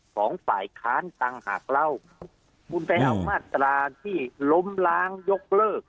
ของฝ่ายค้านต่างหากเล่าคุณไปเอามาตราที่ล้มล้างยกเลิก